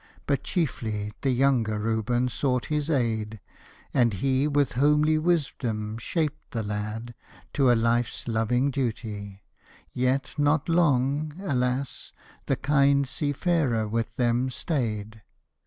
But chiefly th' younger Reuben sought his aid, And he with homely wisdom shaped the lad To a life's loving duty. Yet not long, Alas! the kind sea farer with them stayed.